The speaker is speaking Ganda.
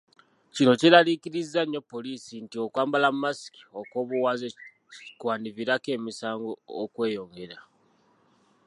Kino kyeraliikirizza nnyo poliisi nti okwambala masiki okw'obuwaze kwandiviirako emisango okweyongera.